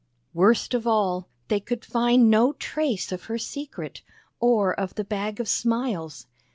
Worst of all, they could find no trace of her secret, or of the Bag of Smiles.